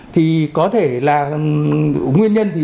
thì có thể là nguyên nhân